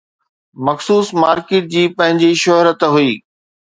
مخصوص مارڪيٽ جي پنهنجي شهرت هئي.